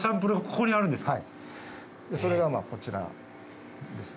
それがまあこちらですね。